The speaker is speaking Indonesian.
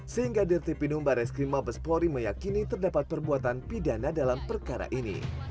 sehingga dertipidum baris krim mabes polri meyakini terdapat perbuatan pidana dalam perkara ini